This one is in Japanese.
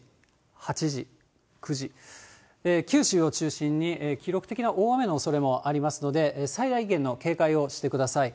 九州を中心に記録的な大雨のおそれもありますので、最大限の警戒をしてください。